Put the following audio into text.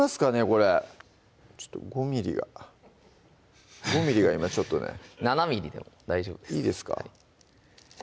これちょっと５ｍｍが５ｍｍが今ちょっとね７ｍｍでも大丈夫ですいいですか？